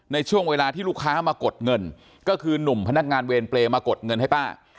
ในช่วงเวลาที่ลูกค้ามากดเงินก็คือหนุ่มพนักงานเวรเปรย์มากดเงินให้ป้า